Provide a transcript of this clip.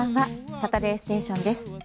「サタデーステーション」です。